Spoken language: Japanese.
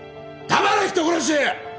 黙れ人殺し！